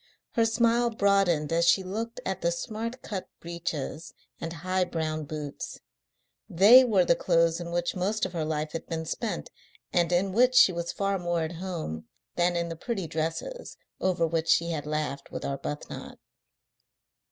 Her smile broadened as she looked at the smart cut breeches and high brown boots. They were the clothes in which most of her life had been spent, and in which she was far more at home than in the pretty dresses over which she had laughed with Arbuthnot.